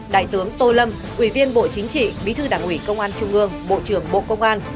đại tướng tô lâm ủy viên bộ chính trị bí thư đảng ủy công an trung ương bộ trưởng bộ công an